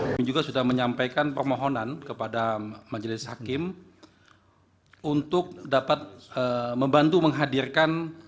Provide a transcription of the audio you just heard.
kami juga sudah menyampaikan permohonan kepada majelis hakim untuk dapat membantu menghadirkan